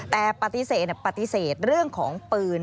แต่ปฏิเสธเรื่องของปืน